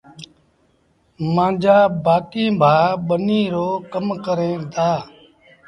مآݩجآ بآڪيٚݩ ڀآ ٻنيٚ رو ڪم ڪريݩ دآ۔